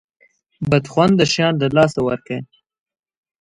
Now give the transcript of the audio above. بد خونده شیان له لاسه ورکه.